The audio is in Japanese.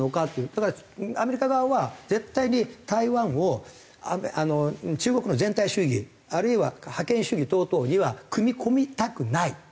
だからアメリカ側は絶対に台湾を中国の全体主義あるいは覇権主義等々には組み込みたくない。